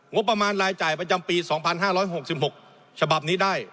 งบประมาณรายจ่ายประจำปีสองพันห้าร้อยหกสิบหกฉบับนี้ได้